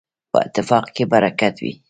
په اتفاق کي برکت وي.